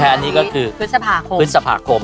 อันนี้ก็คือพฤษภาคม